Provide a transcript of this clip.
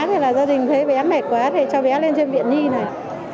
thế là gia đình thấy bé mệt quá thì cho bé lên trên viện nhi này